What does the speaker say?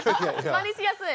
まねしやすい。